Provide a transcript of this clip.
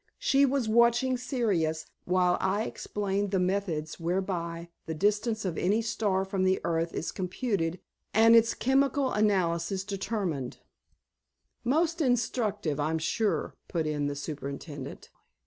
She was watching Sirius while I explained the methods whereby the distance of any star from the earth is computed and its chemical analysis determined—" "Most instructive, I'm sure," put in the superintendent.